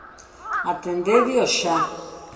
Atendédeo xa.